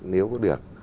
nếu có được